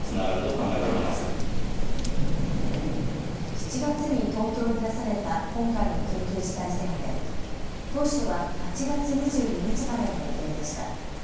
７月に東京に出された今回の緊急事態宣言、当初は８月２２日までの予定でした。